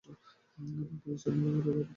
এবং পুলিশ অনুরোধ করলে তিনি তা প্রত্যাখ্যান করেন।